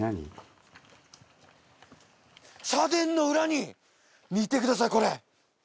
社殿の裏に見てくださいこれ。